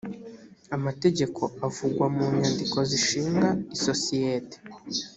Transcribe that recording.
amategeko avugwa mu nyandiko zishinga isosiyete